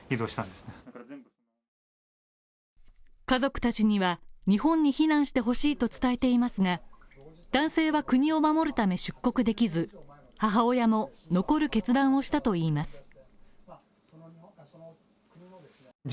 家族たちには、日本に避難してほしいと伝えていますが男性は国を守るため出国できず母親も、残る決断をしたといいます。